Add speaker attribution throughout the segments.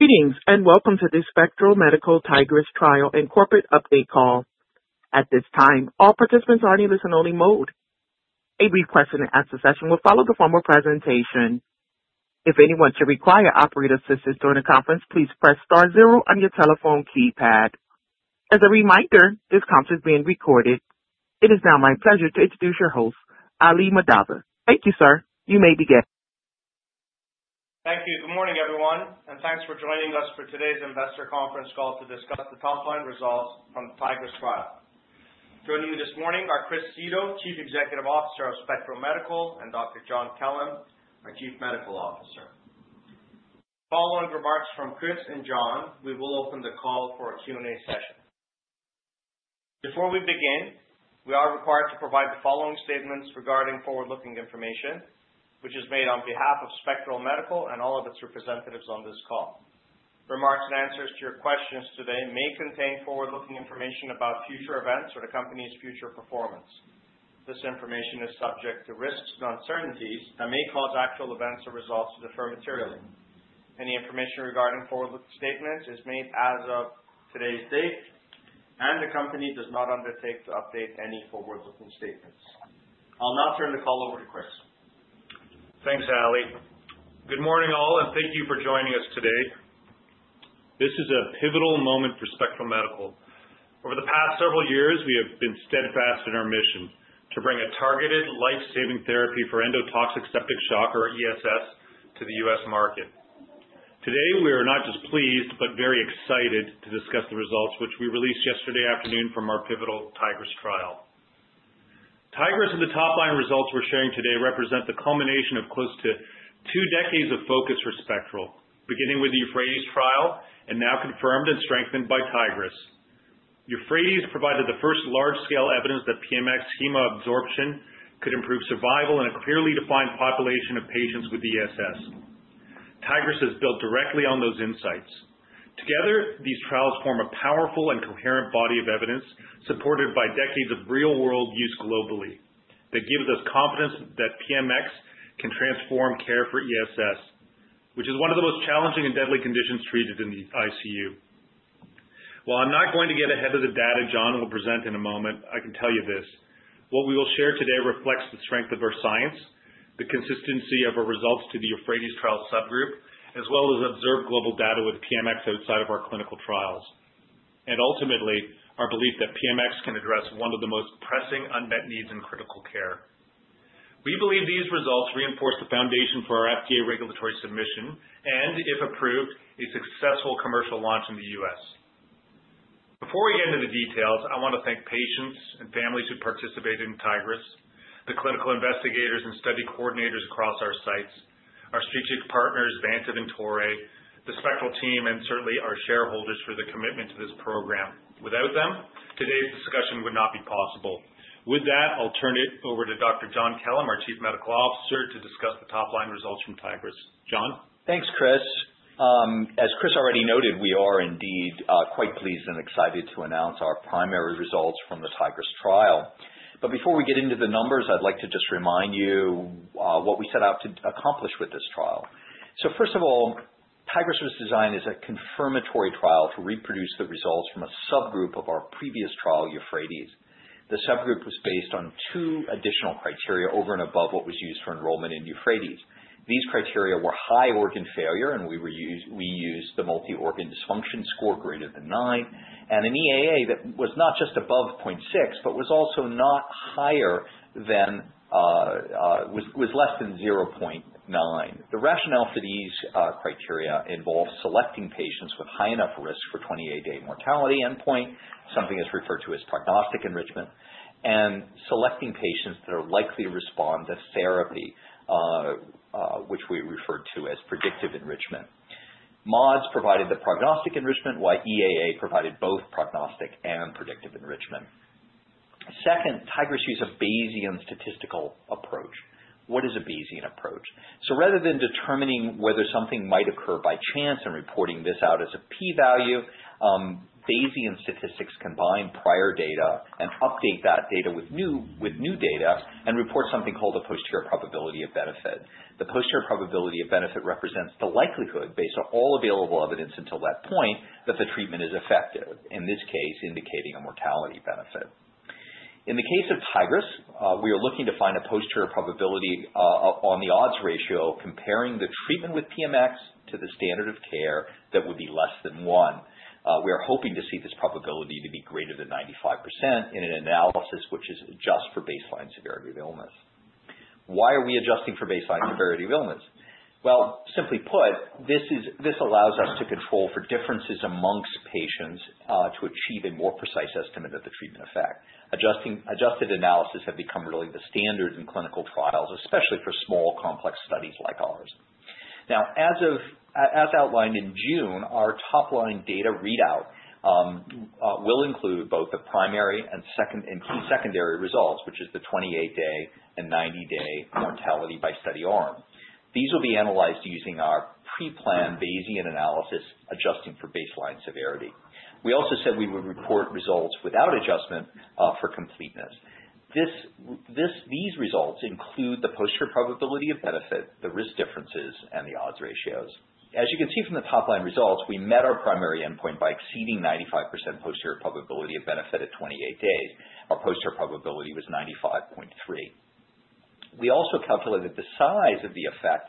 Speaker 1: Greetings, welcome to the Spectral Medical Tigris Trial and Corporate Update Call. At this time, all participants are in listen-only mode. A brief question and answer session will follow the formal presentation. If anyone should require operator assistance during the conference, please press star zero on your telephone keypad. As a reminder, this conference is being recorded. It is now my pleasure to introduce your host, Ali Mahdavi. Thank you, sir. You may begin.
Speaker 2: Thank you. Good morning, everyone, and thanks for joining us for today's investor conference call to discuss the top-line results from the Tigris trial. Joining me this morning are Chris Seto, Chief Executive Officer of Spectral Medical, and Dr. John Kellum, our Chief Medical Officer. Following remarks from Chris and John, we will open the call for a Q&A session. Before we begin, we are required to provide the following statements regarding forward-looking information, which is made on behalf of Spectral Medical and all of its representatives on this call. Remarks and answers to your questions today may contain forward-looking information about future events or the company's future performance. This information is subject to risks and uncertainties that may cause actual events or results to differ materially. Any information regarding forward-looking statements is made as of today's date, and the company does not undertake to update any forward-looking statements. I'll now turn the call over to Chris.
Speaker 3: Thanks, Ali. Good morning, all, thank you for joining us today. This is a pivotal moment for Spectral Medical. Over the past several years, we have been steadfast in our mission to bring a targeted life-saving therapy for endotoxic septic shock, or ESS, to the U.S. market. Today, we are not just pleased but very excited to discuss the results, which we released yesterday afternoon from our pivotal Tigris phase III trial. Tigris and the top-line results we're sharing today represent the culmination of close to two decades of focus for Spectral Medical, beginning with the EUPHRATES phase III trial and now confirmed and strengthened by Tigris. EUPHRATES provided the first large-scale evidence that PMX hemoadsorption could improve survival in a clearly defined population of patients with ESS. Tigris has built directly on those insights. Together, these trials form a powerful and coherent body of evidence supported by decades of real-world use globally that gives us confidence that PMX can transform care for ESS, which is one of the most challenging and deadly conditions treated in the ICU. While I'm not going to get ahead of the data John will present in a moment, I can tell you this. What we will share today reflects the strength of our science, the consistency of our results to the EUPHRATES trial subgroup, as well as observed global data with PMX outside of our clinical trials. Ultimately, our belief that PMX can address one of the most pressing unmet needs in critical care. We believe these results reinforce the foundation for our FDA regulatory submission, and if approved, a successful commercial launch in the U.S. Before we get into the details, I want to thank patients and families who participated in Tigris, the clinical investigators and study coordinators across our sites, our strategic partners, Baxter and Toray, the Spectral team, and certainly our shareholders for their commitment to this program. Without them, today's discussion would not be possible. With that, I'll turn it over to Dr. John Kellum, our Chief Medical Officer, to discuss the top-line results from Tigris. John?
Speaker 4: Thanks, Chris. As Chris already noted, we are indeed quite pleased and excited to announce our primary results from the Tigris trial. Before we get into the numbers, I'd like to just remind you what we set out to accomplish with this trial. First of all, Tigris was designed as a confirmatory trial to reproduce the results from a subgroup of our previous trial, EUPHRATES. The subgroup was based on two additional criteria over and above what was used for enrollment in EUPHRATES. These criteria were high organ failure, and we used the multi-organ dysfunction score greater than nine, and an EAA that was not just above 0.6 but was less than 0.9. The rationale for these criteria involves selecting patients with high enough risk for 28-day mortality endpoint, something that's referred to as prognostic enrichment, and selecting patients that are likely to respond to therapy, which we refer to as predictive enrichment. MODS provided the prognostic enrichment, while EAA provided both prognostic and predictive enrichment. Second, Tigris used a Bayesian statistical approach. What is a Bayesian approach? Rather than determining whether something might occur by chance and reporting this out as a P value, Bayesian statistics combine prior data and update that data with new data and report something called a posterior probability of benefit. The posterior probability of benefit represents the likelihood, based on all available evidence until that point, that the treatment is effective, in this case, indicating a mortality benefit. In the case of Tigris, we are looking to find a posterior probability on the odds ratio comparing the treatment with PMX to the standard of care that would be less than one. We are hoping to see this probability to be greater than 95% in an analysis which is adjusted for baseline severity of illness. Why are we adjusting for baseline severity of illness? Simply put, this allows us to control for differences amongst patients to achieve a more precise estimate of the treatment effect. Adjusted analysis have become really the standard in clinical trials, especially for small, complex studies like ours. As outlined in June, our top-line data readout will include both the primary and key secondary results, which is the 28-day and 90-day mortality by study arm. These will be analyzed using our pre-planned Bayesian analysis adjusting for baseline severity. We also said we would report results without adjustment for completeness. These results include the posterior probability of benefit, the risk differences, and the odds ratios. As you can see from the top-line results, we met our primary endpoint by exceeding 95% posterior probability of benefit at 28 days. Our posterior probability was 95.3. We also calculated the size of the effect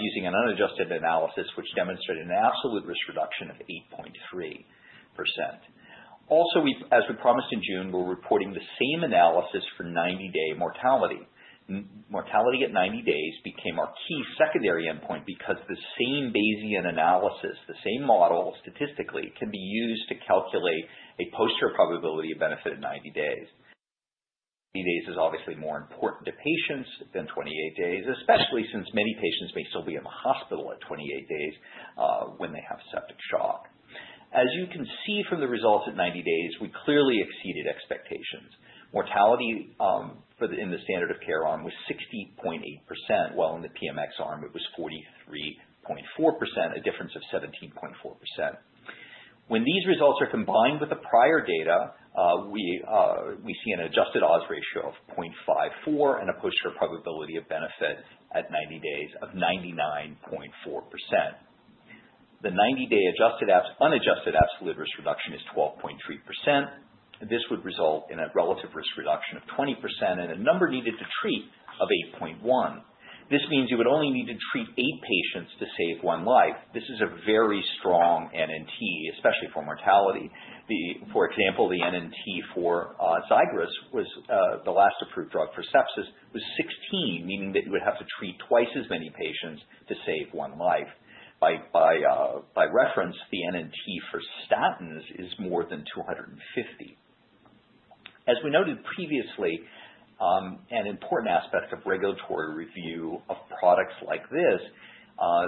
Speaker 4: using an unadjusted analysis, which demonstrated an absolute risk reduction of 8.3%. Also, as we promised in June, we're reporting the same analysis for 90-day mortality. Mortality at 90 days became our key secondary endpoint because the same Bayesian analysis, the same model statistically, can be used to calculate a posterior probability of benefit at 90 days. 90 days is obviously more important to patients than 28 days, especially since many patients may still be in the hospital at 28 days when they have septic shock. As you can see from the results at 90 days, we clearly exceeded expectations. Mortality in the standard of care arm was 60.8%, while in the PMX arm it was 43.4%, a difference of 17.4%. When these results are combined with the prior data, we see an adjusted odds ratio of 0.54 and a posterior probability of benefit at 90 days of 99.4%. The 90-day unadjusted absolute risk reduction is 12.3%. This would result in a relative risk reduction of 20% and a number needed to treat of 8.1. This means you would only need to treat eight patients to save one life. This is a very strong NNT, especially for mortality. For example, the NNT for Xigris, the last approved drug for sepsis, was 16, meaning that you would have to treat twice as many patients to save one life. By reference, the NNT for statins is more than 250. As we noted previously, an important aspect of regulatory review of products like this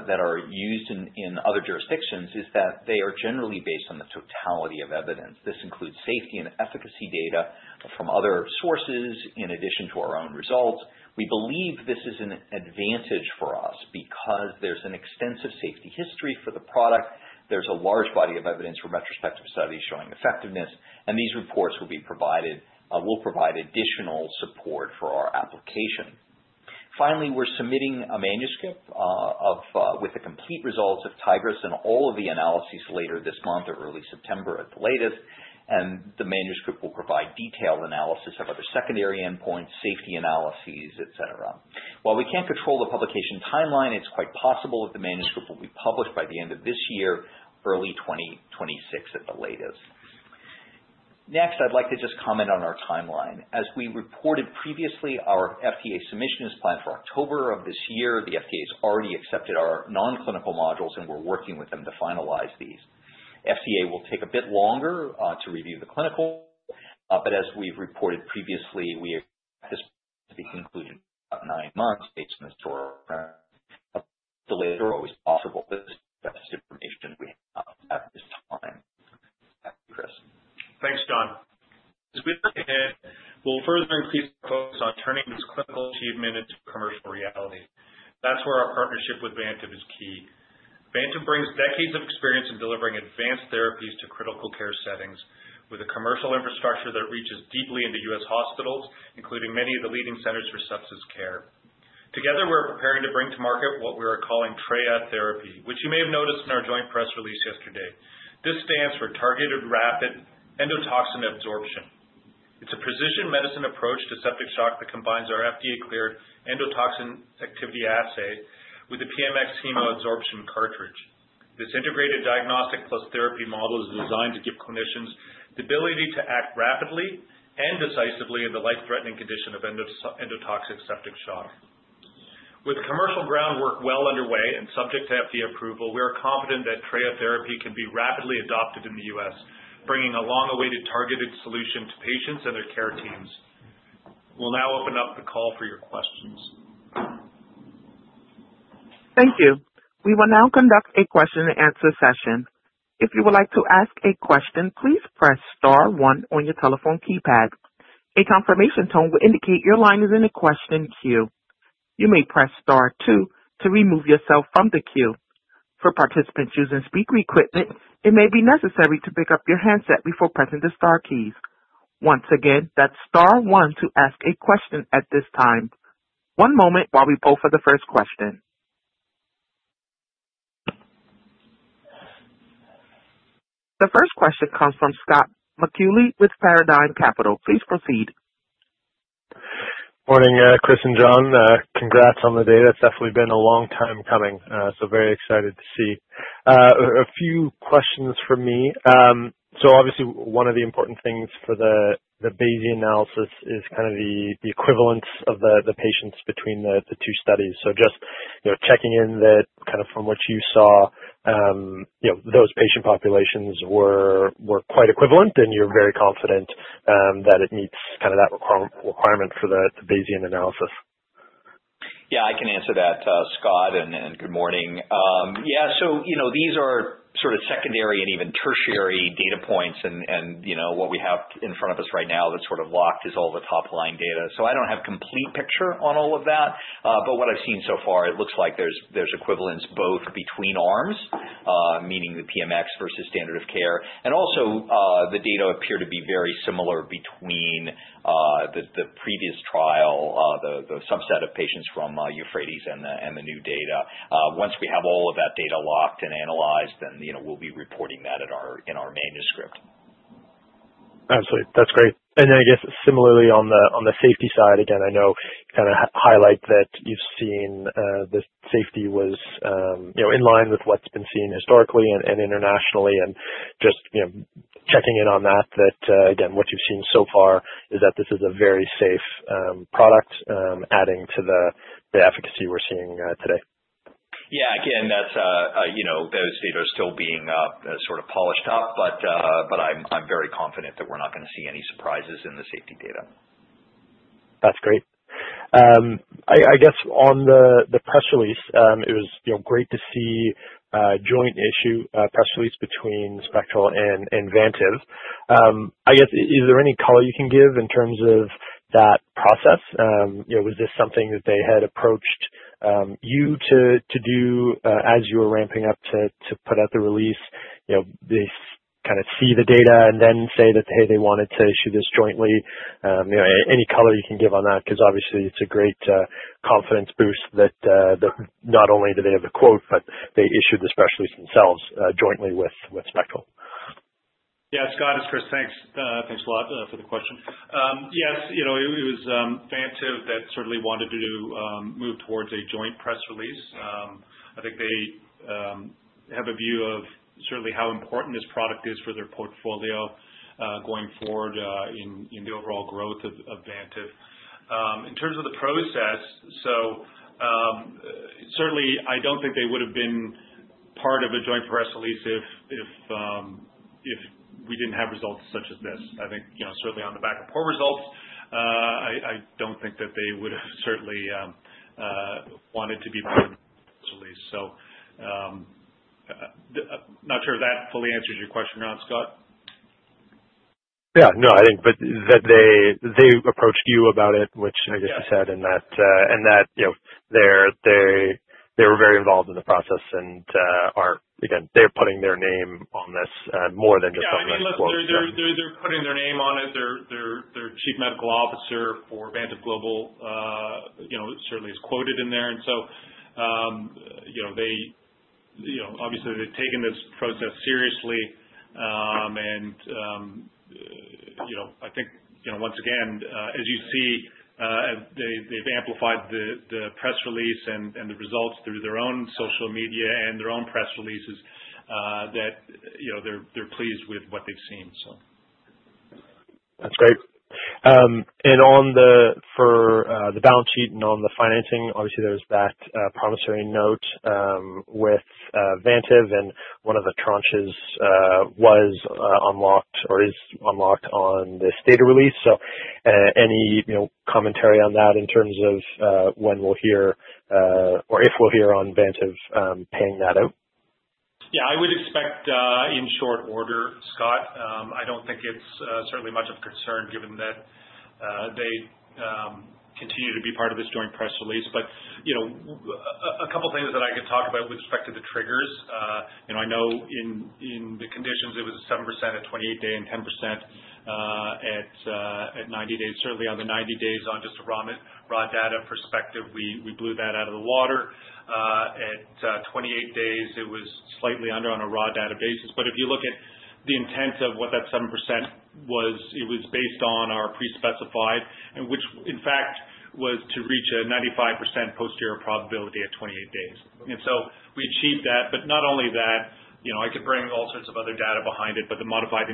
Speaker 4: that are used in other jurisdictions is that they are generally based on the totality of evidence. This includes safety and efficacy data from other sources in addition to our own results. We believe this is an advantage for us because there's an extensive safety history for the product, there's a large body of evidence from retrospective studies showing effectiveness, and these reports will provide additional support for our application. Finally, we're submitting a manuscript with the complete results of Tigris and all of the analyses later this month or early September at the latest. The manuscript will provide detailed analysis of other secondary endpoints, safety analyses, et cetera. While we can't control the publication timeline, it's quite possible that the manuscript will be published by the end of this year, early 2026 at the latest. Next, I'd like to just comment on our timeline. As we reported previously, our FDA submission is planned for October of this year. The FDA has already accepted our non-clinical modules, and we're working with them to finalize these. FDA will take a bit longer to review the clinical, but as we've reported previously, we expect this to be concluded in about nine months, delays are always possible. That's the best information we have at this time. Back to you, Chris.
Speaker 3: Thanks, John. As we look ahead, we'll further increase the focus on turning this clinical achievement into commercial reality. That's where our partnership with Baxter is key. Vantam brings decades of experience in delivering advanced therapies to critical care settings with a commercial infrastructure that reaches deeply into U.S. hospitals, including many of the leading centers for sepsis care. Together, we're preparing to bring to market what we are calling TREA Therapy, which you may have noticed in our joint press release yesterday. This stands for Targeted Rapid Endotoxin Adsorption. It's a precision medicine approach to septic shock that combines our FDA-cleared Endotoxin Activity Assay with the PMX hemoadsorption cartridge. This integrated diagnostic plus therapy model is designed to give clinicians the ability to act rapidly and decisively in the life-threatening condition of endotoxic septic shock. With commercial groundwork well underway and subject to FDA approval, we are confident that TREA Therapy can be rapidly adopted in the U.S., bringing a long-awaited targeted solution to patients and their care teams. We'll now open up the call for your questions.
Speaker 1: Thank you. We will now conduct a question and answer session. If you would like to ask a question, please press star one on your telephone keypad. A confirmation tone will indicate your line is in the question queue. You may press star two to remove yourself from the queue. For participants using speaker equipment, it may be necessary to pick up your handset before pressing the star keys. Once again, that's star one to ask a question at this time. One moment while we poll for the first question. The first question comes from Scott McAuley with Paradigm Capital. Please proceed.
Speaker 5: Morning, Chris and John. Congrats on the data. It's definitely been a long time coming, very excited to see. A few questions from me. Obviously, one of the important things for the Bayesian analysis is kind of the equivalence of the patients between the two studies. Just checking in that kind of from what you saw, those patient populations were quite equivalent, and you're very confident that it meets that requirement for the Bayesian analysis.
Speaker 4: Yeah, I can answer that, Scott, good morning. Yeah, these are sort of secondary and even tertiary data points and what we have in front of us right now that's sort of locked is all the top-line data. I don't have complete picture on all of that. What I've seen so far, it looks like there's equivalence both between arms, meaning the PMX versus standard of care, and also the data appear to be very similar between the previous trial, the subset of patients from EUPHRATES and the new data. Once we have all of that data locked and analyzed, we'll be reporting that in our manuscript.
Speaker 5: Absolutely. That's great. I guess similarly on the safety side, again, I know you kind of highlight that you've seen the safety was in line with what's been seen historically and internationally. Just checking in on that, again, what you've seen so far is that this is a very safe product, adding to the efficacy we're seeing today.
Speaker 4: Yeah. Again, those data are still being sort of polished up, but I'm very confident that we're not going to see any surprises in the safety data.
Speaker 5: That's great. I guess on the press release, it was great to see a joint issue, press release between Spectral and Baxter. I guess is there any color you can give in terms of that process? Was this something that they had approached you to do as you were ramping up to put out the release? They kind of see the data and then say that, hey, they wanted to issue this jointly. Any color you can give on that? Obviously it's a great confidence boost that not only do they have a quote, but they issued the press release themselves jointly with Spectral.
Speaker 3: Yeah. Scott McAuley, it's Chris Seto. Thanks. Thanks a lot for the question. Yes, it was Baxter that certainly wanted to move towards a joint press release. I think they have a view of certainly how important this product is for their portfolio, going forward in the overall growth of Baxter. In terms of the process, certainly I don't think they would've been part of a joint press release if we didn't have results such as this. I think certainly on the back of poor results, I don't think that they would have certainly wanted to be part of the release. I'm not sure if that fully answers your question or not, Scott McAuley.
Speaker 5: Yeah, no, I think, but that they approached you about it, which I guess you said, and that they were very involved in the process and are, again, they're putting their name on this more than just a quote.
Speaker 3: Yeah. I mean, look, they're putting their name on it. Their chief medical officer for Baxter Global certainly is quoted in there. Obviously they've taken this process seriously. I think once again, as you see, they've amplified the press release and the results through their own social media and their own press releases that they're pleased with what they've seen.
Speaker 5: That's great. For the balance sheet and on the financing, obviously there was that promissory note with Baxter and one of the tranches was unlocked or is unlocked on this data release. Any commentary on that in terms of when we'll hear or if we'll hear on Baxter paying that out?
Speaker 3: Yeah, I would expect in short order, Scott. I don't think it's certainly much of concern given that they continue to be part of this joint press release. A couple of things that I could talk about with respect to the triggers. I know in the conditions it was a 7% at 28-day and 10% at 90 days. Certainly on the 90 days, on just a raw data perspective, we blew that out of the water. At 28 days, it was slightly under on a raw data basis. If you look at the intent of what that 7% was, it was based on our pre-specified, and which in fact was to reach a 95% posterior probability at 28 days. We achieved that, but not only that, I could bring all sorts of other data behind it, but the modified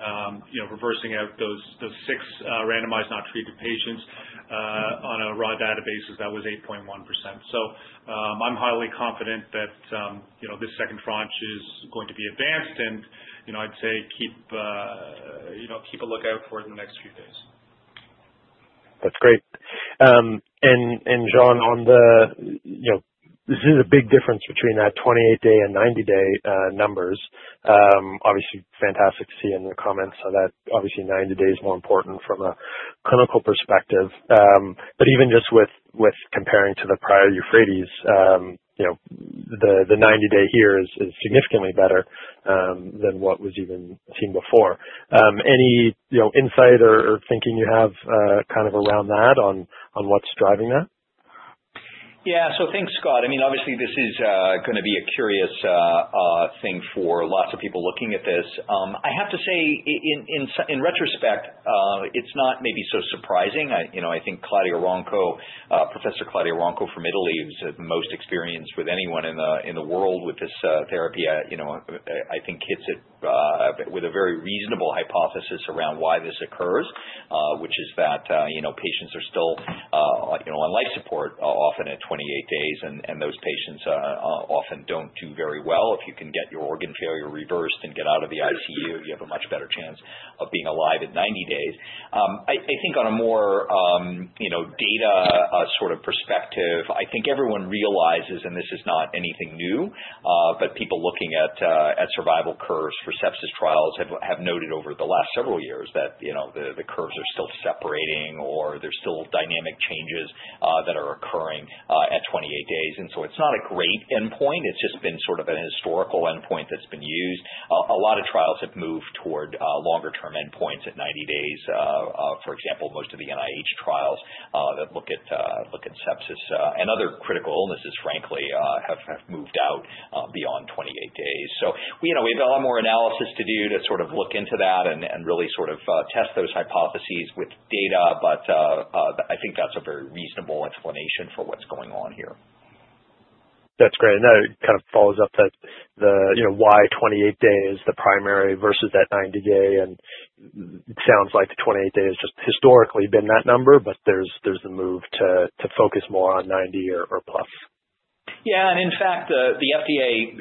Speaker 3: intent-to-treat, reversing out those six randomized not treated patients, on a raw data basis, that was 8.1%. I'm highly confident that this second tranche is going to be advanced and, I'd say keep a lookout for it in the next few days.
Speaker 5: That's great. John, this is a big difference between that 28-day and 90-day numbers. Obviously fantastic to see in the comments that obviously 90 days more important from a clinical perspective. Even just with comparing to the prior EUPHRATES, the 90-day here is significantly better than what was even seen before. Any insight or thinking you have kind of around that on what's driving that?
Speaker 4: Yeah. Thanks, Scott. I mean, obviously this is going to be a curious thing for lots of people looking at this. I have to say in retrospect, it's not maybe so surprising. I think Claudio Ronco, Professor Claudio Ronco from Italy, who's the most experienced with anyone in the world with this therapy, I think hits it with a very reasonable hypothesis around why this occurs. Which is that patients are still on life support often at 28 days, and those patients often don't do very well. If you can get your organ failure reversed and get out of the ICU, you have a much better chance of being alive at 90 days. I think on a more data sort of perspective, I think everyone realizes, and this is not anything new, but people looking at survival curves for sepsis trials have noted over the last several years that the curves are still separating or there's still dynamic changes that are occurring at 28 days. It's not a great endpoint. It's just been sort of an historical endpoint that's been used. A lot of trials have moved toward longer-term endpoints at 90 days. For example, most of the NIH trials that look at sepsis and other critical illnesses, frankly, have moved out beyond 28 days. We have a lot more analysis to do to sort of look into that and really sort of test those hypotheses with data. I think that's a very reasonable explanation for what's going on here.
Speaker 5: That's great. That kind of follows up that the why 28 day the primary versus that 90-day, and sounds like the 28 day just historically been that number, but there's the move to focus more on 90 or plus.
Speaker 4: Yeah. In fact, the FDA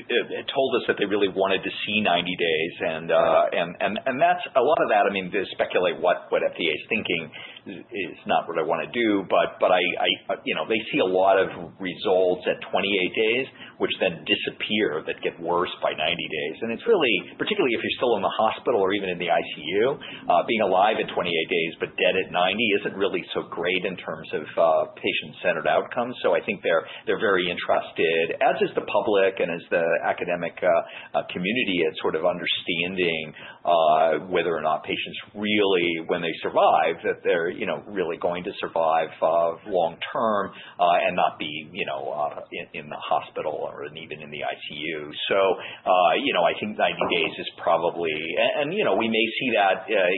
Speaker 4: told us that they really wanted to see 90 days, a lot of that, to speculate what FDA's thinking is not what I want to do, but they see a lot of results at 28 days, which then disappear, that get worse by 90 days. It's really, particularly if you're still in the hospital or even in the ICU, being alive in 28 days but dead at 90 isn't really so great in terms of patient-centered outcomes. I think they're very interested, as is the public and as the academic community, at sort of understanding whether or not patients really, when they survive, that they're really going to survive long-term, and not be in the hospital or even in the ICU. I think 90 days is probably. We may see that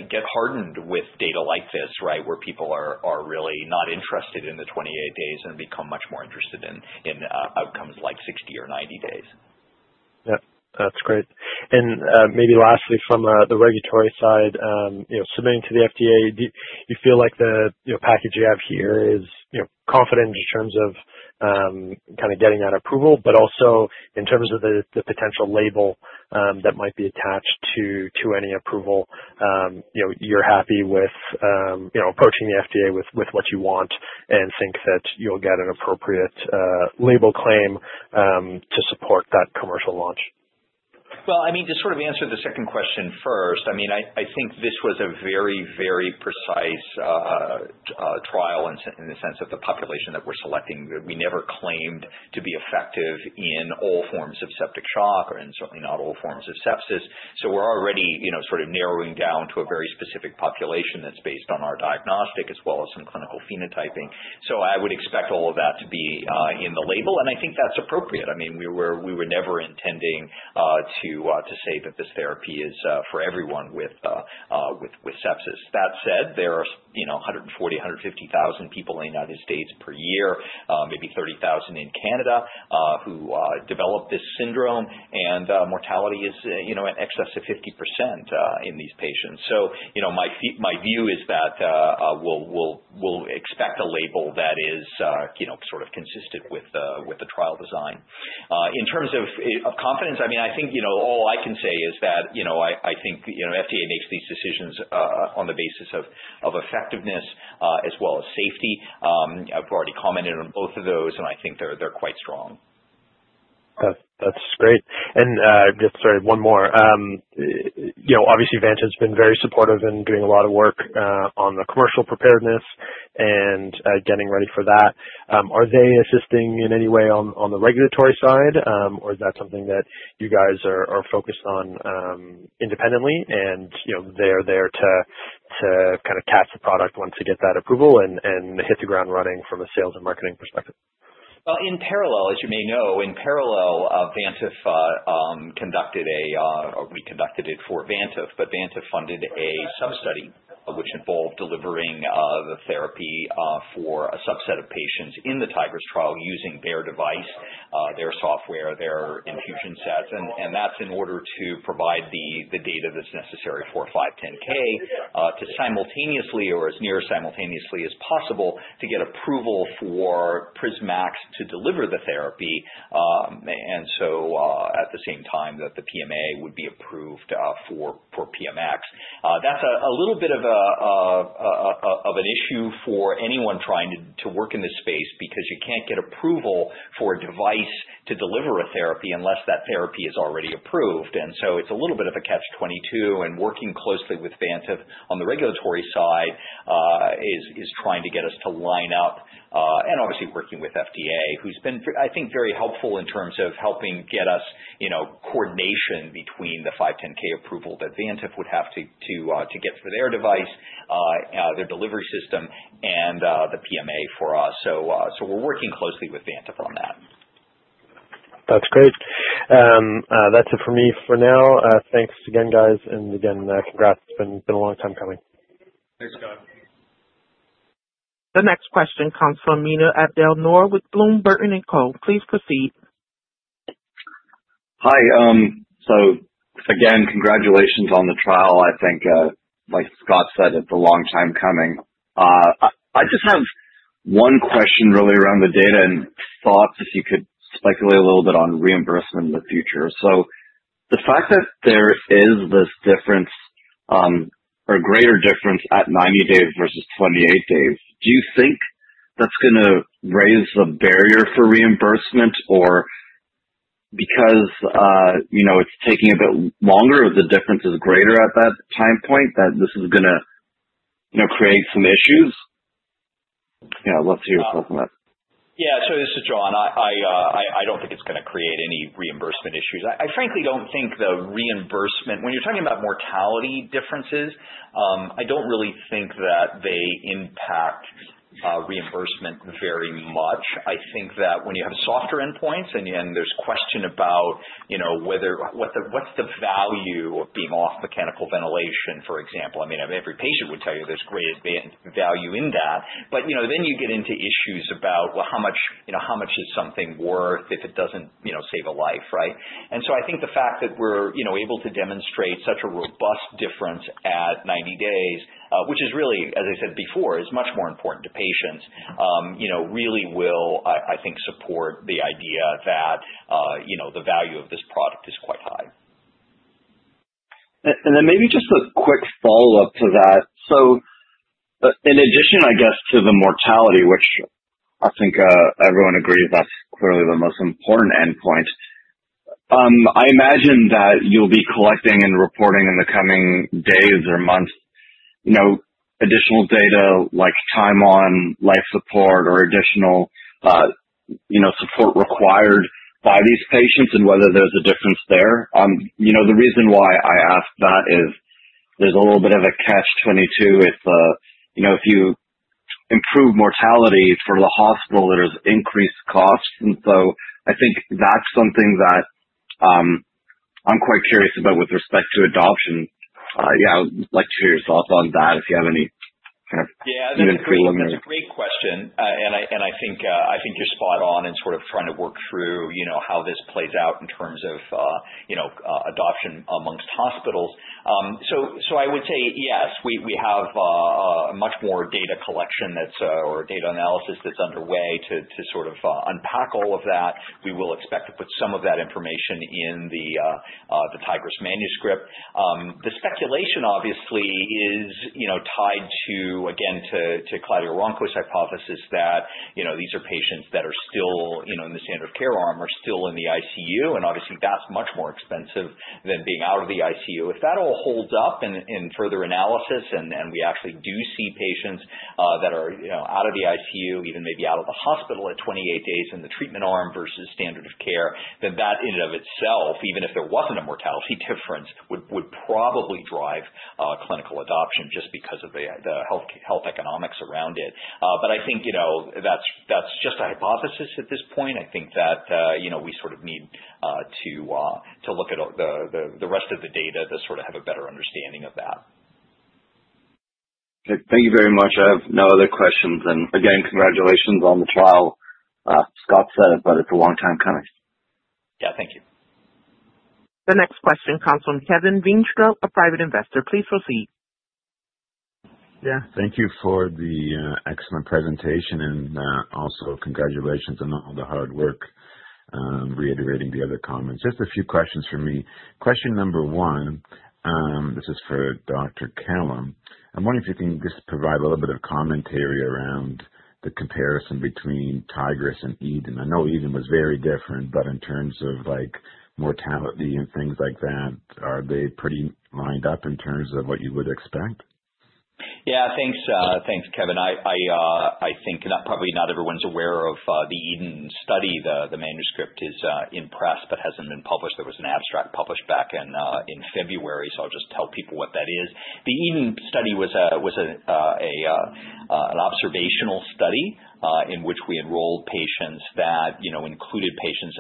Speaker 4: get hardened with data like this, where people are really not interested in the 28 days and become much more interested in outcomes like 60 or 90 days.
Speaker 5: Yep. That's great. Maybe lastly, from the regulatory side, submitting to the FDA, do you feel like the package you have here is confident in terms of getting that approval, but also in terms of the potential label that might be attached to any approval? You're happy with approaching the FDA with what you want and think that you'll get an appropriate label claim to support that commercial launch?
Speaker 4: Well, to sort of answer the second question first, I think this was a very precise trial in the sense that the population that we're selecting, we never claimed to be effective in all forms of septic shock and certainly not all forms of sepsis. We're already sort of narrowing down to a very specific population that's based on our diagnostic as well as some clinical phenotyping. I would expect all of that to be in the label, and I think that's appropriate. We were never intending to say that this therapy is for everyone with sepsis. That said, there are 140,000, 150,000 people in the U.S. per year, maybe 30,000 in Canada, who develop this syndrome. Mortality is in excess of 50% in these patients. My view is that we'll expect a label that is sort of consistent with the trial design. In terms of confidence, all I can say is that I think the FDA makes these decisions on the basis of effectiveness as well as safety. I've already commented on both of those, and I think they're quite strong.
Speaker 5: Just sorry, one more. Obviously, Baxter has been very supportive in doing a lot of work on the commercial preparedness and getting ready for that. Are they assisting in any way on the regulatory side? Is that something that you guys are focused on independently and they're there to kind of catch the product once you get that approval and hit the ground running from a sales and marketing perspective?
Speaker 4: In parallel, as you may know, in parallel, Baxter conducted or we conducted it for Baxter, but Baxter funded a sub-study which involved delivering the therapy for a subset of patients in the Tigris trial using their device, their software, their infusion sets, that's in order to provide the data that's necessary for 510 to simultaneously or as near simultaneously as possible to get approval for PrisMax to deliver the therapy at the same time that the PMA would be approved for PMX. That's a little bit of an issue for anyone trying to work in this space because you can't get approval for a device to deliver a therapy unless that therapy is already approved. It's a little bit of a catch-22, and working closely with Baxter on the regulatory side is trying to get us to line up, and obviously working with FDA, who's been, I think, very helpful in terms of helping get us coordination between the 510 approval that Baxter would have to get for their device, their delivery system, and the PMA for us. We're working closely with Baxter on that.
Speaker 5: That's great. That's it for me for now. Thanks again, guys, and again, congrats. It's been a long time coming.
Speaker 3: Thanks, Scott.
Speaker 1: The next question comes from Mena Abdel-Nour with Bloom Burton & Co. Please proceed.
Speaker 6: Hi. Again, congratulations on the trial. I think, like Scott said, it's a long time coming. I just have one question really around the data and thoughts, if you could speculate a little bit on reimbursement in the future. The fact that there is this difference or greater difference at 90 days versus 28 days, do you think that's going to raise the barrier for reimbursement or because it's taking a bit longer or the difference is greater at that time point, that this is going to create some issues? Yeah, love to hear your thoughts on that.
Speaker 4: Yeah. This is John. I don't think it's going to create any reimbursement issues. I frankly don't think the reimbursement when you're talking about mortality differences, I don't really think that they impact reimbursement very much. I think that when you have softer endpoints and there's question about what's the value of being off mechanical ventilation, for example. Every patient would tell you there's great value in that. You get into issues about, how much is something worth if it doesn't save a life, right? I think the fact that we're able to demonstrate such a robust difference at 90 days, which is really, as I said before, is much more important to patients, really will, I think, support the idea that the value of this product is quite high.
Speaker 6: Maybe just a quick follow-up to that. In addition to the mortality, which I think everyone agrees that is clearly the most important endpoint, I imagine that you will be collecting and reporting in the coming days or months additional data like time on life support or additional support required by these patients and whether there is a difference there. The reason why I ask that is there is a little bit of a catch 22 if you improve mortality for the hospital, there is increased costs. I think that is something that I am quite curious about with respect to adoption. I would like to hear your thoughts on that if you have any kind of.
Speaker 4: Yeah, that's a great question. I think you're spot on in sort of trying to work through how this plays out in terms of adoption amongst hospitals. I would say yes, we have much more data collection or data analysis that's underway to sort of unpack all of that. We will expect to put some of that information in the Tigris manuscript. The speculation obviously is tied to, again, to Claudio Ronco's hypothesis that these are patients that are still in the standard of care arm, are still in the ICU, and obviously that's much more expensive than being out of the ICU. If that all holds up in further analysis and we actually do see patients that are out of the ICU, even maybe out of the hospital at 28 days in the treatment arm versus standard of care, then that in and of itself, even if there wasn't a mortality difference, would probably drive clinical adoption just because of the health economics around it. I think that's just a hypothesis at this point. I think that we sort of need to look at the rest of the data to sort of have a better understanding of that.
Speaker 6: Thank you very much. I have no other questions. Again, congratulations on the trial. Scott said it. It's a long time coming.
Speaker 4: Yeah. Thank you.
Speaker 1: The next question comes from Kevin Vinstro, a private investor. Please proceed.
Speaker 7: Yeah. Thank you for the excellent presentation and also congratulations on all the hard work. Reiterating the other comments. Just a few questions from me. Question number one, this is for Dr. John Kellum. I'm wondering if you can just provide a little bit of commentary around the comparison between Tigris and EDEN. I know EDEN was very different, but in terms of mortality and things like that, are they pretty lined up in terms of what you would expect?
Speaker 4: Thanks, Kevin Vinstro. I think probably not everyone's aware of the EDEN study. The manuscript is in press but hasn't been published. There was an abstract published back in February. I'll just tell people what that is. The EDEN study was an observational study, in which we enrolled patients that included patients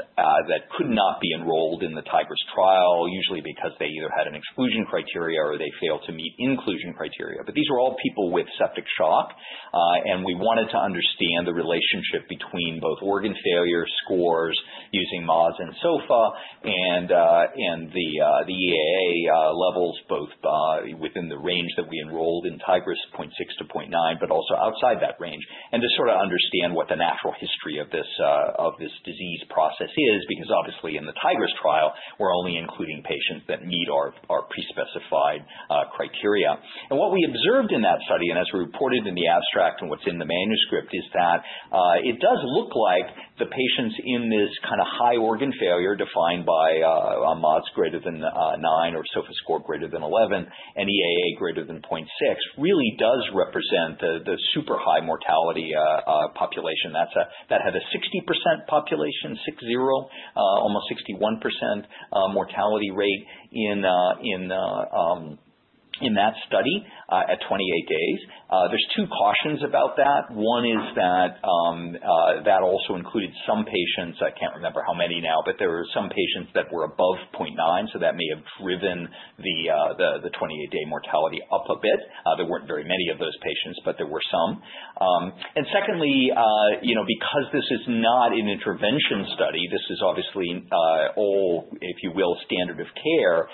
Speaker 4: that could not be enrolled in the Tigris trial, usually because they either had an exclusion criteria or they failed to meet inclusion criteria. These were all people with septic shock. We wanted to understand the relationship between both organ failure scores using MODS and SOFA and the EAA levels, both within the range that we enrolled in Tigris, 0.6-0.9, but also outside that range. To sort of understand what the natural history of this disease process is. Obviously in the Tigris trial, we're only including patients that meet our pre-specified criteria. What we observed in that study, and as reported in the abstract and what's in the manuscript, is that it does look like the patients in this kind of high organ failure, defined by a MODS greater than 9 or SOFA score greater than 11 and EAA greater than 0.6, really does represent the super high mortality population that had a 60% population, 60, almost 61% mortality rate in that study at 28 days. There's two cautions about that. One is that that also included some patients, I can't remember how many now, but there were some patients that were above 0.9, so that may have driven the 28-day mortality up a bit. There weren't very many of those patients, but there were some. Secondly, because this is not an intervention study, this is obviously all, if you will, standard of care.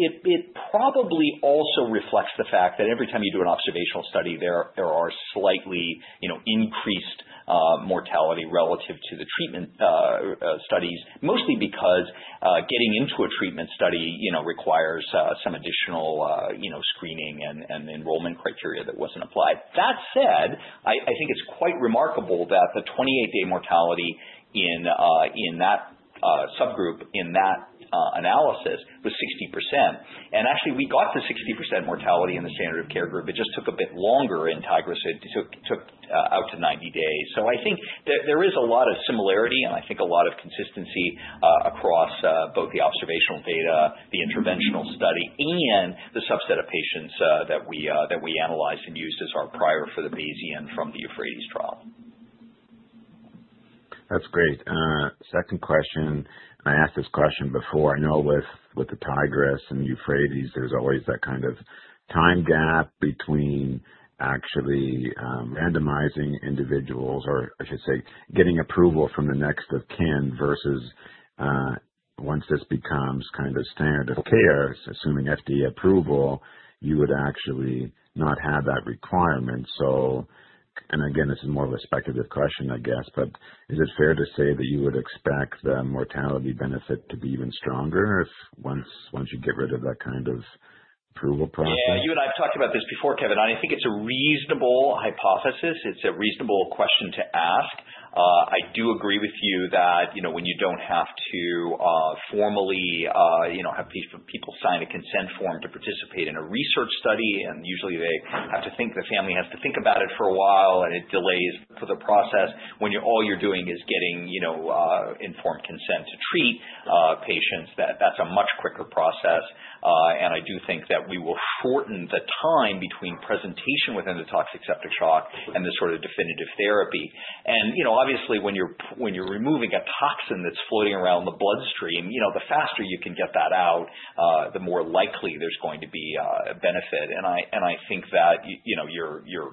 Speaker 4: It probably also reflects the fact that every time you do an observational study, there are slightly increased mortality relative to the treatment studies, mostly because getting into a treatment study requires some additional screening and enrollment criteria that wasn't applied. That said, I think it's quite remarkable that the 28-day mortality in that subgroup in that analysis was 60%. Actually, we got the 60% mortality in the standard of care group. It just took a bit longer in Tigris. It took 90 days. I think there is a lot of similarity, and I think a lot of consistency across both the observational data, the interventional study, and the subset of patients that we analyzed and used as our prior for the Bayesian from the EUPHRATES trial.
Speaker 7: That's great. Second question, and I asked this question before. I know with the Tigris and EUPHRATES, there's always that kind of time gap between actually randomizing individuals or I should say, getting approval from the next of kin versus once this becomes kind of standard of care, assuming FDA approval, you would actually not have that requirement. And again, this is more of a speculative question, I guess, but is it fair to say that you would expect the mortality benefit to be even stronger once you get rid of that kind of approval process?
Speaker 4: Yeah. You and I have talked about this before, Kevin. I think it's a reasonable hypothesis. It's a reasonable question to ask. I do agree with you that when you don't have to formally have people sign a consent form to participate in a research study, and usually the family has to think about it for a while, and it delays for the process. When all you're doing is getting informed consent to treat patients, that's a much quicker process. I do think that we will shorten the time between presentation with endotoxic septic shock and the sort of definitive therapy. Obviously when you're removing a toxin that's floating around the bloodstream, the faster you can get that out, the more likely there's going to be a benefit. I think that your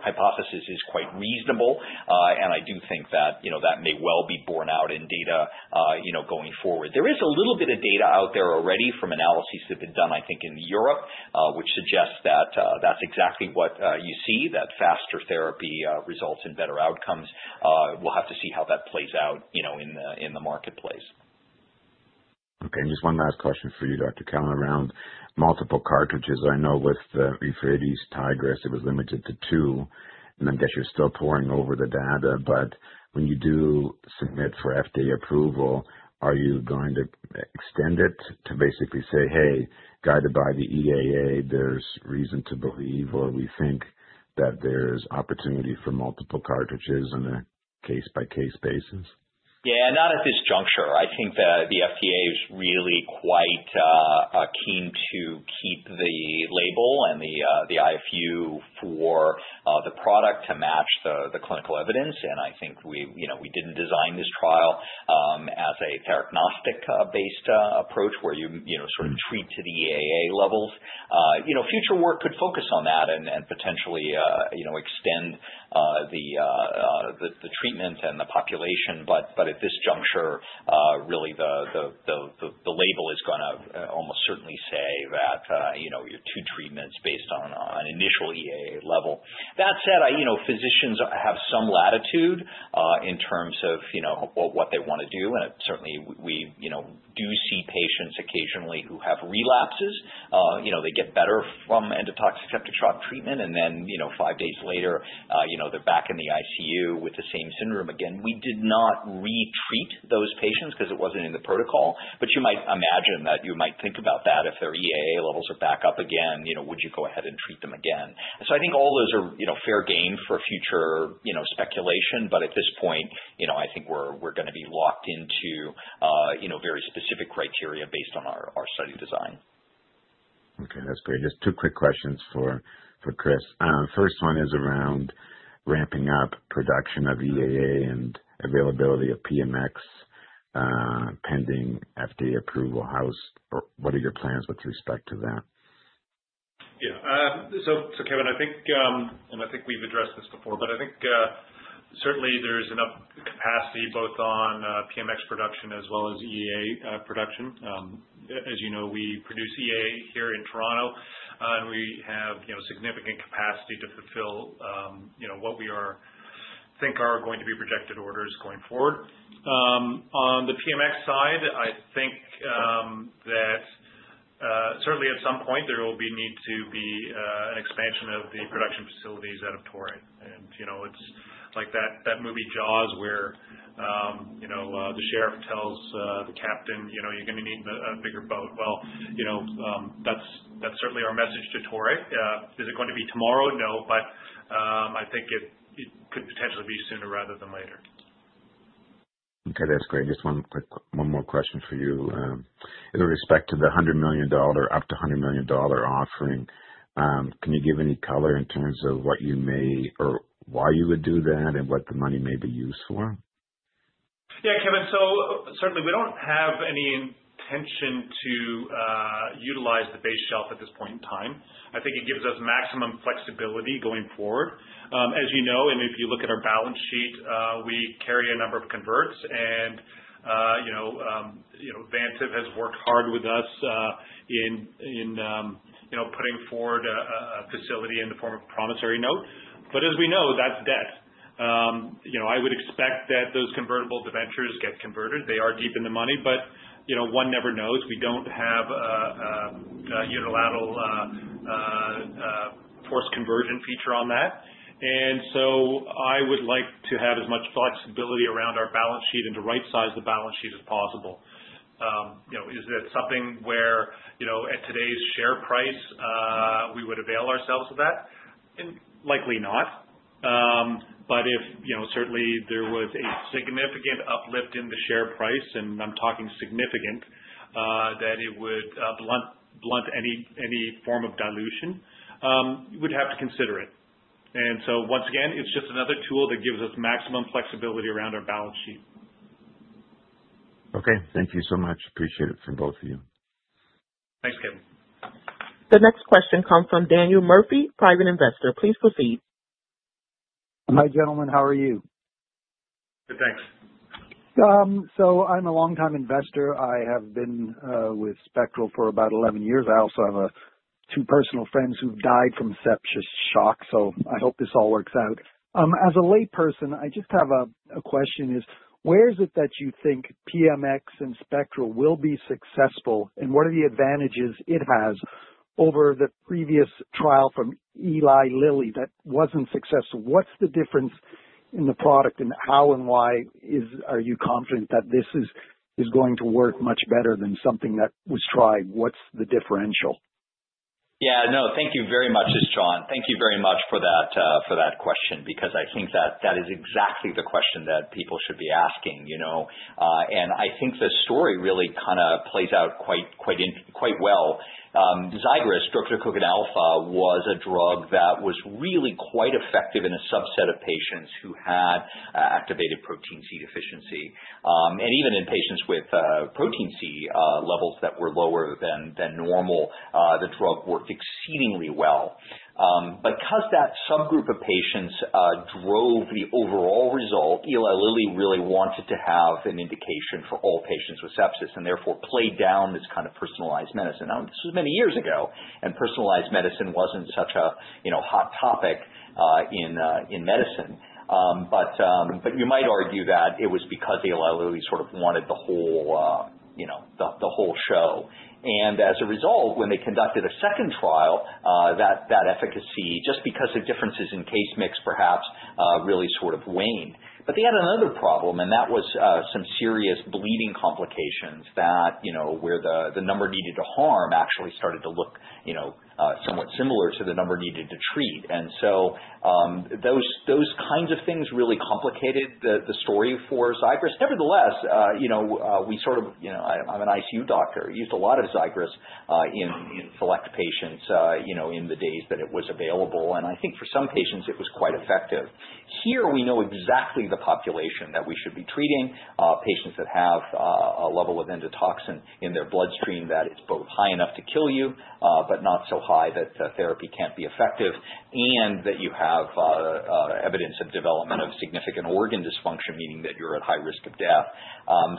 Speaker 4: hypothesis is quite reasonable. I do think that may well be borne out in data going forward. There is a little bit of data out there already from analyses that have been done, I think, in Europe, which suggests that's exactly what you see, that faster therapy results in better outcomes. We'll have to see how that plays out in the marketplace.
Speaker 7: Okay. Just one last question for you, Dr. Kellum, around multiple cartridges. I know with the EUPHRATES, Tigris, it was limited to two, and I guess you're still poring over the data, but when you do submit for FDA approval, are you going to extend it to basically say, "Hey, guided by the EAA, there's reason to believe, or we think that there's opportunity for multiple cartridges on a case-by-case basis?
Speaker 4: Not at this juncture. I think that the FDA is really quite keen to keep the label and the IFU for the product to match the clinical evidence. I think we didn't design this trial as a prognostic-based approach where you sort of treat to the EAA levels. Future work could focus on that and potentially extend the treatment and the population. At this juncture, really the label is going to almost certainly say that your two treatments based on initial EAA level. That said, physicians have some latitude in terms of what they want to do, and certainly we do see patients occasionally who have relapses. They get better from endotoxic septic shock treatment, and then five days later, they're back in the ICU with the same syndrome again. We did not re-treat those patients because it wasn't in the protocol, but you might imagine that you might think about that if their EAA levels are back up again, would you go ahead and treat them again? I think all those are fair game for future speculation. At this point, I think we're going to be locked into very specific criteria based on our study design.
Speaker 7: Okay. That's great. Just two quick questions for Chris. First one is around ramping up production of EAA and availability of PMX pending FDA approval. What are your plans with respect to that?
Speaker 3: Kevin, I think we've addressed this before, but I think certainly there's enough capacity both on PMX production as well as EAA production. As you know, we produce EAA here in Toronto, and we have significant capacity to fulfill what we think are going to be projected orders going forward. On the PMX side, I think that certainly at some point there will need to be an expansion of the production facilities out of Toray. It's like that movie "Jaws" where the sheriff tells the captain, "You're going to need a bigger boat." Well, that's certainly our message to Toray. Is it going to be tomorrow? No. I think it could potentially be sooner rather than later.
Speaker 7: Okay. That is great. Just one more question for you. In respect to the up to 100 million dollar offering, can you give any color in terms of what you may or why you would do that and what the money may be used for?
Speaker 3: Yeah, Kevin. Certainly we don't have any intention to utilize the base shelf at this point in time. I think it gives us maximum flexibility going forward. As you know, and if you look at our balance sheet, we carry a number of converts and Vantiv has worked hard with us in putting forward a facility in the form of a promissory note. As we know, that's debt. I would expect that those convertible debentures get converted. They are deep in the money, but one never knows. We don't have a unilateral forced conversion feature on that. I would like to have as much flexibility around our balance sheet and to right size the balance sheet as possible. Is that something where, at today's share price, we would avail ourselves of that? Likely not. If certainly there was a significant uplift in the share price, and I'm talking significant, that it would blunt any form of dilution, we'd have to consider it. Once again, it's just another tool that gives us maximum flexibility around our balance sheet.
Speaker 7: Okay. Thank you so much. Appreciate it from both of you.
Speaker 3: Thanks, Kevin.
Speaker 1: The next question comes from Daniel Murphy, private investor. Please proceed.
Speaker 8: Hi, gentlemen. How are you?
Speaker 3: Good, thanks.
Speaker 8: I'm a longtime investor. I have been with Spectral for about 11 years. I also have two personal friends who've died from sepsis shock. I hope this all works out. As a lay person, I just have a question, is where is it that you think PMX and Spectral will be successful, and what are the advantages it has over the previous trial from Eli Lilly that wasn't successful? What's the difference in the product and how and why are you confident that this is going to work much better than something that was tried? What's the differential?
Speaker 4: Yeah. No, thank you very much. This is John. Thank you very much for that question because I think that is exactly the question that people should be asking. I think the story really kind of plays out quite well. Xigris, drotrecogin alfa, was a drug that was really quite effective in a subset of patients who had activated protein C deficiency. Even in patients with protein C levels that were lower than normal, the drug worked exceedingly well. Because that subgroup of patients drove the overall result, Eli Lilly really wanted to have an indication for all patients with sepsis, and therefore played down this kind of personalized medicine. Now, this was many years ago, and personalized medicine wasn't such a hot topic in medicine. You might argue that it was because Eli Lilly sort of wanted the whole show. As a result, when they conducted a second trial, that efficacy, just because of differences in case mix perhaps, really sort of waned. They had another problem, and that was some serious bleeding complications where the number needed to harm actually started to look somewhat similar to the number needed to treat. Those kinds of things really complicated the story for Xigris. Nevertheless, I'm an ICU doctor, used a lot of Xigris in select patients in the days that it was available, and I think for some patients it was quite effective. Here we know exactly the population that we should be treating, patients that have a level of endotoxin in their bloodstream that is both high enough to kill you, but not so high that therapy can't be effective and that you have evidence of development of significant organ dysfunction, meaning that you're at high risk of death.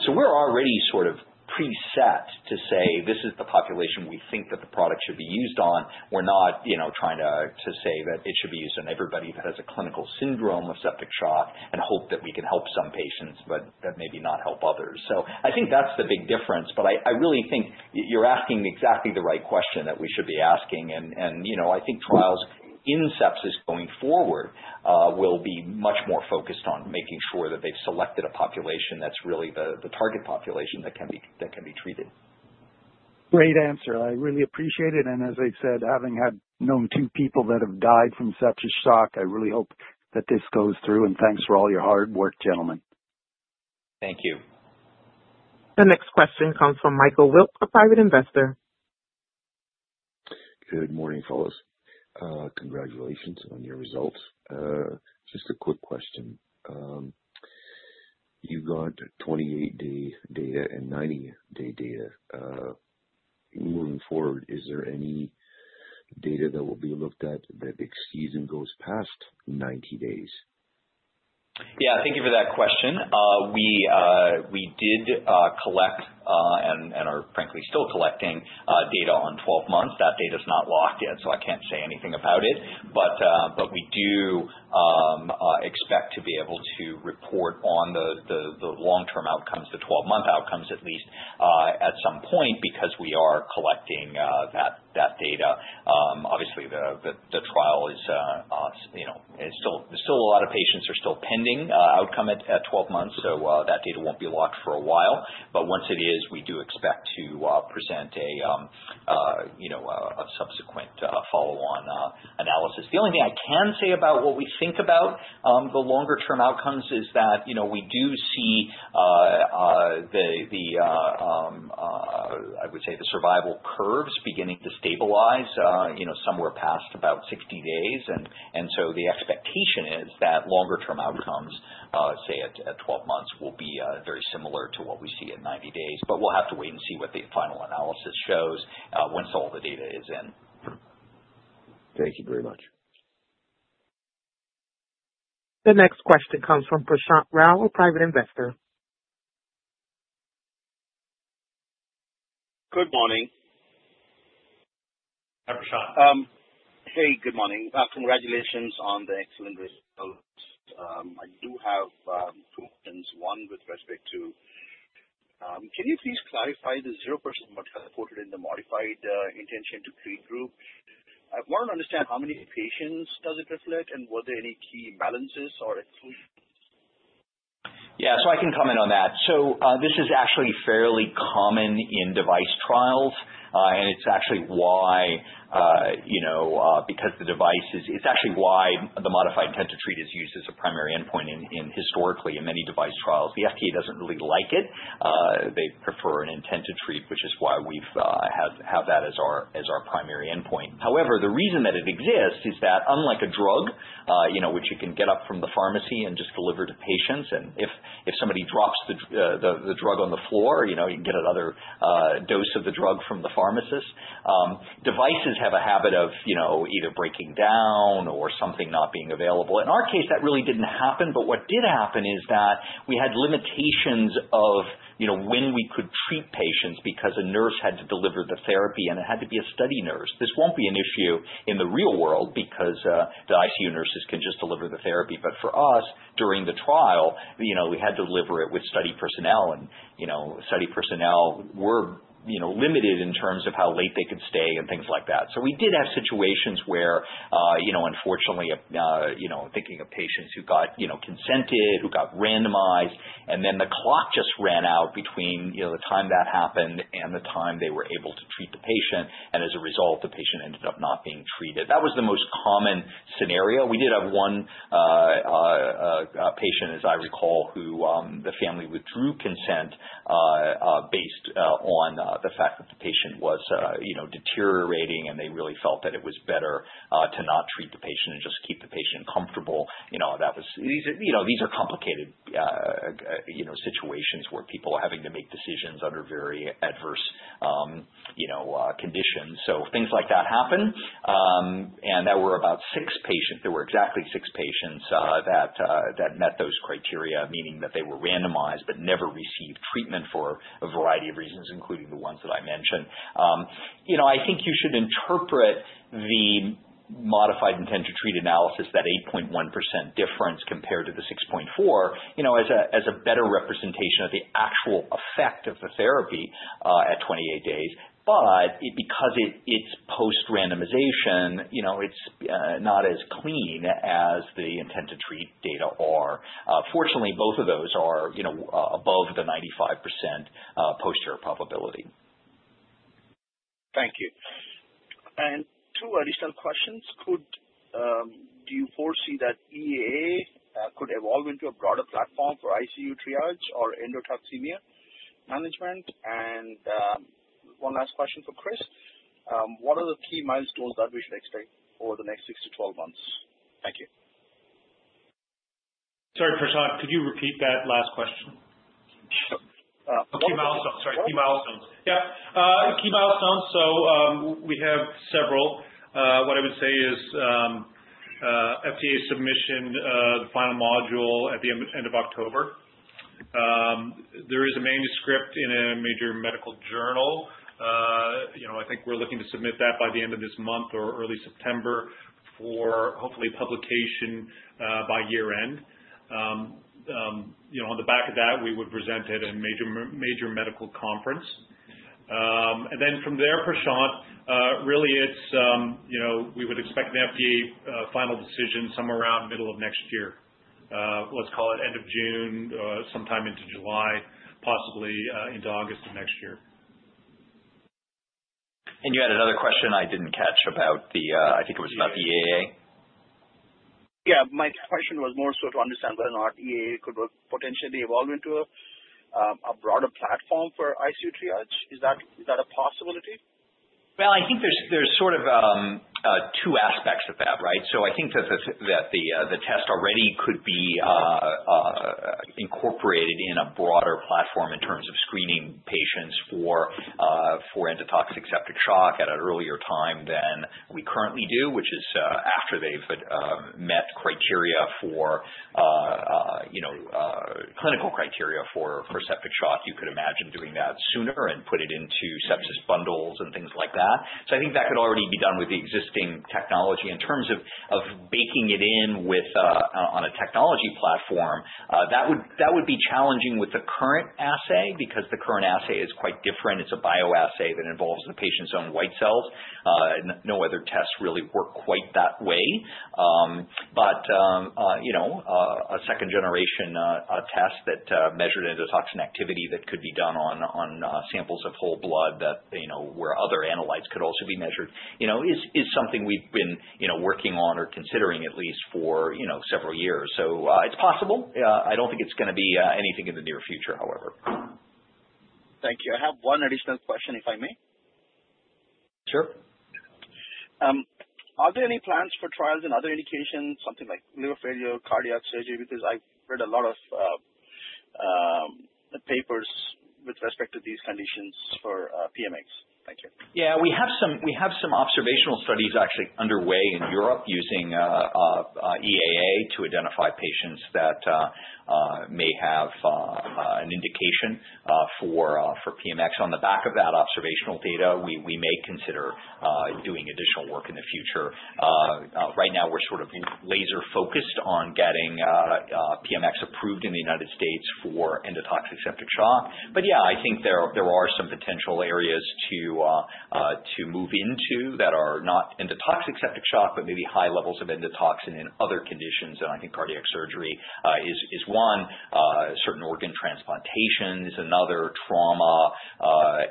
Speaker 4: We're already sort of preset to say this is the population we think that the product should be used on. We're not trying to say that it should be used on everybody that has a clinical syndrome of septic shock and hope that we can help some patients but maybe not help others. I think that's the big difference. I really think you're asking exactly the right question that we should be asking. I think trials in sepsis going forward will be much more focused on making sure that they've selected a population that's really the target population that can be treated.
Speaker 8: Great answer. I really appreciate it. As I said, having known two people that have died from septic shock, I really hope that this goes through, and thanks for all your hard work, gentlemen.
Speaker 4: Thank you.
Speaker 1: The next question comes from Michael Wilk, a private investor.
Speaker 9: Good morning, fellas. Congratulations on your results. Just a quick question. You've got 28-day data and 90-day data. Moving forward, is there any data that will be looked at that exceeds and goes past 90 days?
Speaker 4: Yeah, thank you for that question. We did collect and are frankly still collecting data on 12 months. That data's not locked yet. I can't say anything about it. We do expect to be able to report on the long-term outcomes, the 12-month outcomes at least, at some point because we are collecting that data. Obviously, the trial, still a lot of patients are still pending outcome at 12 months. That data won't be locked for a while. Once it is, we do expect to present a subsequent follow-on analysis. The only thing I can say about what we think about the longer term outcomes is that we do see, I would say the survival curves beginning to stabilize somewhere past about 60 days. The expectation is that longer term outcomes, let's say at 12 months, will be very similar to what we see at 90 days. We'll have to wait and see what the final analysis shows once all the data is in.
Speaker 9: Thank you very much.
Speaker 1: The next question comes from Prashant Rao, a private investor.
Speaker 10: Good morning.
Speaker 3: Hi, Prashant.
Speaker 10: Hey, good morning. Congratulations on the excellent results. I do have two questions. Can you please clarify the zero percent mortality reported in the modified intent-to-treat group? I want to understand how many patients does it reflect and were there any key balances or exclusions?
Speaker 4: Yeah, I can comment on that. This is actually fairly common in device trials, and it's actually why the modified intent-to-treat is used as a primary endpoint historically in many device trials. The FDA doesn't really like it. They prefer an intent-to-treat, which is why we have that as our primary endpoint. However, the reason that it exists is that unlike a drug, which you can get up from the pharmacy and just deliver to patients, and if somebody drops the drug on the floor, you can get another dose of the drug from the pharmacist. Devices have a habit of either breaking down or something not being available. In our case, that really didn't happen. What did happen is that we had limitations of when we could treat patients because a nurse had to deliver the therapy and it had to be a study nurse. This won't be an issue in the real world because the ICU nurses can just deliver the therapy. For us, during the trial, we had to deliver it with study personnel, and study personnel were limited in terms of how late they could stay and things like that. We did have situations where, unfortunately, thinking of patients who got consented, who got randomized, and then the clock just ran out between the time that happened and the time they were able to treat the patient, and as a result, the patient ended up not being treated. That was the most common scenario. We did have one patient, as I recall, who the family withdrew consent based on the fact that the patient was deteriorating and they really felt that it was better to not treat the patient and just keep the patient comfortable. These are complicated situations where people are having to make decisions under very adverse conditions. Things like that happen. There were exactly six patients that met those criteria, meaning that they were randomized but never received treatment for a variety of reasons, including the ones that I mentioned. I think you should interpret the modified intent-to-treat analysis, that 8.1% difference compared to the 6.4%, as a better representation of the actual effect of the therapy at 28 days. Because it's post-randomization, it's not as clean as the intent-to-treat data are. Fortunately, both of those are above the 95% posterior probability.
Speaker 10: Thank you. Two additional questions. Do you foresee that EAA could evolve into a broader platform for ICU triage or endotoxemia management? One last question for Chris. What are the key milestones that we should expect over the next six to 12 months? Thank you.
Speaker 3: Sorry, Prashant, could you repeat that last question?
Speaker 10: Sure.
Speaker 3: Key milestones. Sorry, key milestones. Yeah. Key milestones. We have several. What I would say is, FDA submission, the final module at the end of October. There is a manuscript in a major medical journal. I think we're looking to submit that by the end of this month or early September for hopefully publication by year-end. On the back of that, we would present at a major medical conference. From there, Prashant, really we would expect an FDA final decision somewhere around middle of next year. Let's call it end of June, sometime into July, possibly into August of next year.
Speaker 4: You had another question I didn't catch about the, I think it was about the EAA.
Speaker 10: Yeah. My question was more so to understand whether or not EAA could potentially evolve into a broader platform for ICU triage. Is that a possibility?
Speaker 4: Well, I think there's sort of two aspects of that, right? I think that the test already could be incorporated in a broader platform in terms of screening patients for endotoxic septic shock at an earlier time than we currently do, which is after they've met clinical criteria for septic shock. You could imagine doing that sooner and put it into sepsis bundles and things like that. I think that could already be done with the existing technology. In terms of baking it in on a technology platform, that would be challenging with the current assay because the current assay is quite different. It's a bioassay that involves the patient's own white cells. No other tests really work quite that way. A second-generation test that measured endotoxin activity that could be done on samples of whole blood where other analytes could also be measured, is something we've been working on or considering at least for several years. It's possible. I don't think it's going to be anything in the near future, however.
Speaker 10: Thank you. I have one additional question, if I may.
Speaker 4: Sure.
Speaker 10: Are there any plans for trials in other indications, something like liver failure or cardiac surgery? Because I've read a lot of papers with respect to these conditions for PMX. Thank you.
Speaker 4: Yeah. We have some observational studies actually underway in Europe using EAA to identify patients that may have an indication for PMX. On the back of that observational data, we may consider doing additional work in the future. Right now we're sort of laser-focused on getting PMX approved in the United States for endotoxic septic shock. Yeah, I think there are some potential areas to move into that are not endotoxic septic shock, but maybe high levels of endotoxin in other conditions, and I think cardiac surgery is one. Certain organ transplantation is another. Trauma,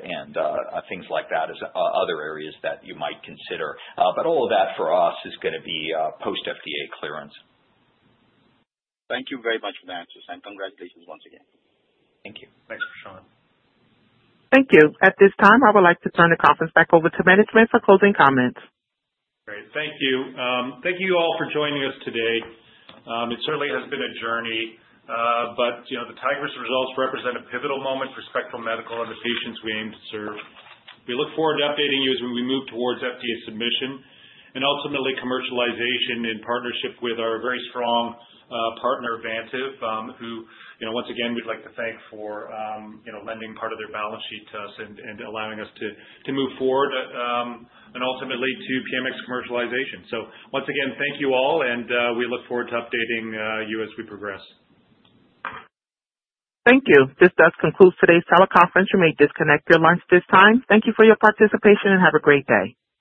Speaker 4: and things like that is other areas that you might consider. All of that for us is going to be post FDA clearance.
Speaker 10: Thank you very much for the answers and congratulations once again.
Speaker 4: Thank you.
Speaker 3: Thanks, Prashant.
Speaker 1: Thank you. At this time, I would like to turn the conference back over to management for closing comments.
Speaker 3: Great. Thank you. Thank you all for joining us today. It certainly has been a journey. The Tigris results represent a pivotal moment for Spectral Medical and the patients we aim to serve. We look forward to updating you as we move towards FDA submission and ultimately commercialization in partnership with our very strong partner, Baxter, who, once again, we'd like to thank for lending part of their balance sheet to us and allowing us to move forward and ultimately to PMX commercialization. Once again, thank you all, and we look forward to updating you as we progress.
Speaker 1: Thank you. This does conclude today's teleconference. You may disconnect your lines at this time. Thank you for your participation and have a great day.